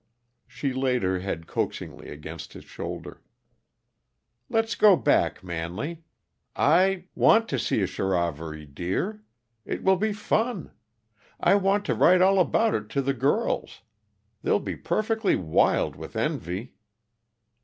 She laid her head coaxingly against his shoulder. "Let's go back, Manley. I want to see a charivari, dear. It will be fun. I want to write all about it to the girls. They'll be perfectly wild with envy."